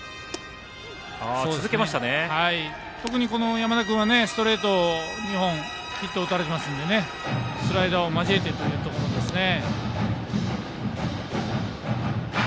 特に山田君はストレート２本ヒット打たれてますのでスライダーを交えてというところですね。